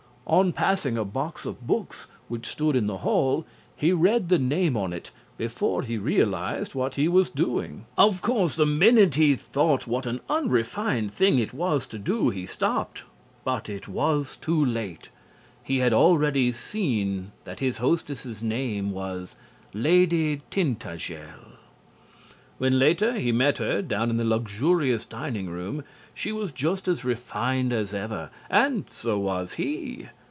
On passing a box of books which stood in the hall he read the name on it "before he realized what he was doing." Of course the minute he thought what an unrefined thing it was to do he stopped, but it was too late. He had already seen that his hostess's name was "Lady Tintagel." When later he met her down in the luxurious dining room she was just as refined as ever. And so was he.